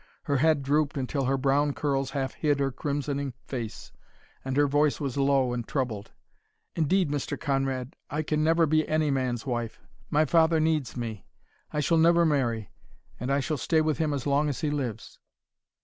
Her head drooped until her brown curls half hid her crimsoning face, and her voice was low and troubled. "Indeed, Mr. Conrad, I can never be any man's wife. My father needs me. I shall never marry, and I shall stay with him as long as he lives."